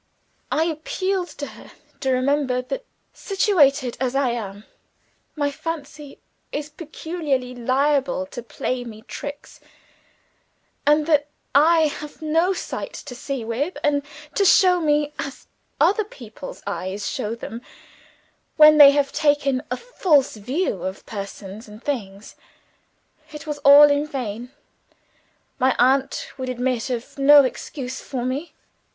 I appealed to her to remember that, situated as I am, my fancy is peculiarly liable to play me tricks, and that I have no sight to see with, and to show me as other people's eyes show them when they have taken a false view of persons and things. It was all in vain. My aunt would admit of no excuse for me.